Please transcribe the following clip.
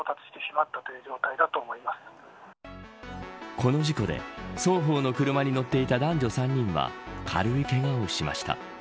この事故で双方の車に乗っていた男女３人は軽いけがをしました。